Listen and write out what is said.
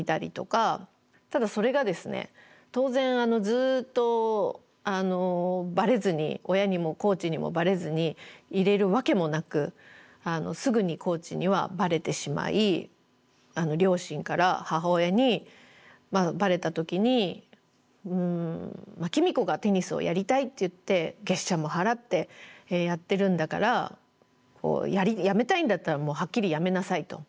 ただそれがですね当然ずっとバレずに親にもコーチにもバレずにいれるわけもなくすぐにコーチにはバレてしまい両親から母親にバレた時に公子がテニスをやりたいって言って月謝も払ってやってるんだからやめたいんだったらもうはっきりやめなさいと。